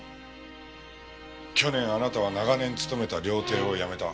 去年あなたは長年勤めた料亭を辞めた。